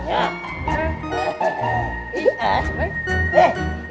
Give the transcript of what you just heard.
jadi ini istananya